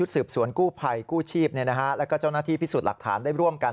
สืบสวนกู้ภัยกู้ชีพแล้วก็เจ้าหน้าที่พิสูจน์หลักฐานได้ร่วมกัน